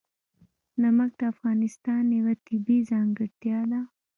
نمک د افغانستان یوه طبیعي ځانګړتیا ده.